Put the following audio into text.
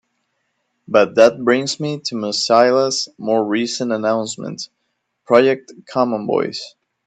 But that brings me to Mozilla's more recent announcement: Project Common Voice.